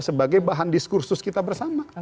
sebagai bahan diskursus kita bersama